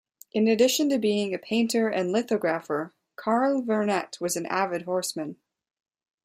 In addition to being a painter and lithographer, Carle Vernet was an avid horseman.